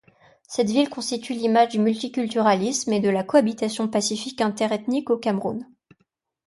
Cette ville constitue l'image du multiculturalisme et de la cohabitation pacifique interethnique au Cameroun.